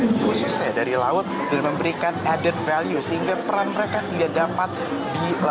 hasil tangkap khususnya dari laut dan memberikan added value sehingga peran mereka tidak dapat dilepaskan begitu saja